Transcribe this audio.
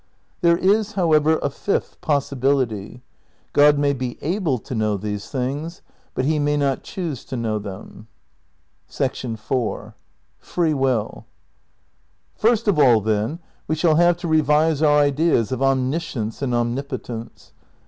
There is, however, a fifth possibility. God may be able to know these things, but he may not choose to know them. IV First of all, then, we shall have to revise our ideas of omniscience and omnipotence.